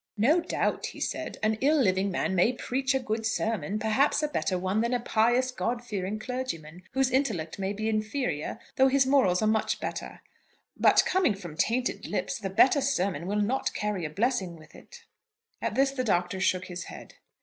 "No doubt," he said, "an ill living man may preach a good sermon, perhaps a better one than a pious God fearing clergyman, whose intellect may be inferior though his morals are much better; but coming from tainted lips, the better sermon will not carry a blessing with it." At this the Doctor shook his head.